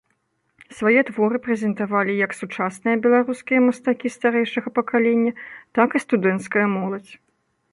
Свае творы прэзентавалі як сучасныя беларускія мастакі старэйшага пакалення, так і студэнцкая моладзь.